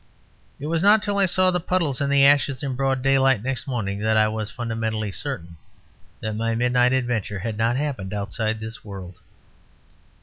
It was not till I saw the puddles and the ashes in broad daylight next morning that I was fundamentally certain that my midnight adventure had not happened outside this world.